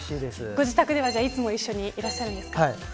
ご自宅ではいつも一緒にいらっしゃるんですか。